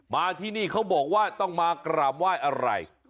มาที่นี่เขาบอกว่าต้องมากราบไหว้อะไร